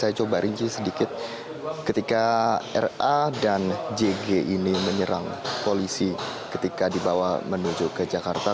saya coba rinci sedikit ketika ra dan jg ini menyerang polisi ketika dibawa menuju ke jakarta